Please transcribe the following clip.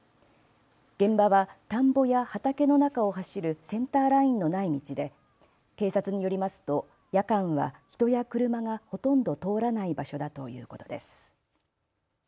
現場は田んぼや畑の中を走るセンターラインのない道で警察によりますと夜間は人や車がほとんど通らない場所だということです。